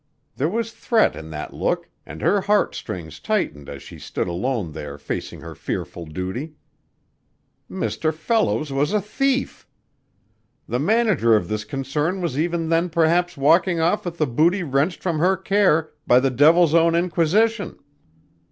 There was threat in that look and her heart strings tightened as she stood alone there facing her fearful duty. Mr. Fellows was a thief! The manager of this concern was even then perhaps walking off with the booty wrenched from her care by the devil's own inquisition.